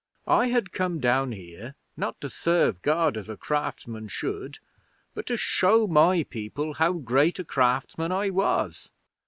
I had come down here, not to serve God as a craftsman should, but to show my people how great a craftsman I was.